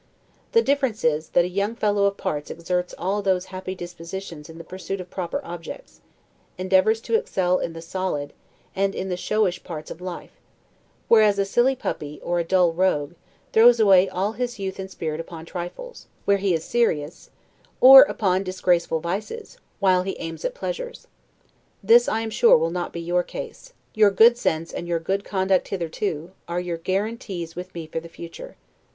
The difference is, that a young fellow of parts exerts all those happy dispositions in the pursuit of proper objects; endeavors to excel in the solid, and in the showish parts of life; whereas a silly puppy, or a dull rogue, throws away all his youth and spirit upon trifles, where he is serious or upon disgraceful vices, while he aims at pleasures. This I am sure will not be your case; your good sense and your good conduct hitherto are your guarantees with me for the future.